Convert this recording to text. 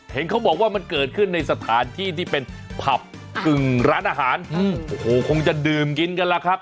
เห็นเขาบอกว่ามันเกิดขึ้นในสถานที่ที่เป็นผับกึ่งร้านอาหารโอ้โหคงจะดื่มกินกันล่ะครับ